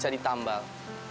yang bisa ditambal